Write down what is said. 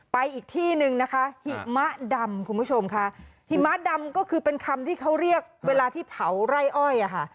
อีกที่หนึ่งนะคะหิมะดำคุณผู้ชมค่ะหิมะดำก็คือเป็นคำที่เขาเรียกเวลาที่เผาไร่อ้อยอ่ะค่ะ